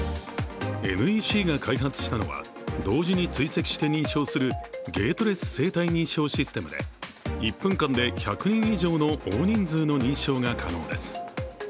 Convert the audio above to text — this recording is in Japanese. ＮＥＣが開発したのは同時に追跡して認証するゲートレス生体認証システムで１分間１００人以上の大人数の認証が可能です。